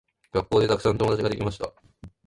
学校でたくさん友達ができました。